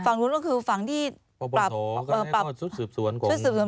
ฝั่งนู้นก็คือฝั่งที่ปรับ